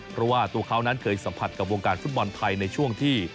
เพราะว่าตัวเขานั้นเคยสัมผัสกับวงการฟุตบอลไทยในช่วงที่